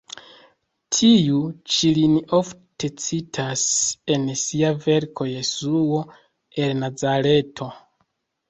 Tiu ĉi lin ofte citas en sia verko Jesuo el Nazareto.